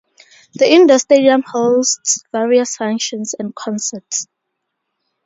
The indoor stadium hosts various functions and concerts.